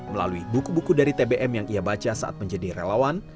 melalui buku buku dari tbm yang ia baca saat menjadi relawan